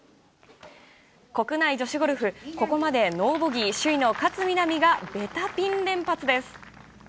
国内女子ゴルフ、ここまでノーボギー、首位の勝みなみがベタピン連発です。